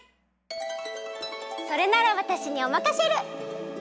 それならわたしにおまかシェル！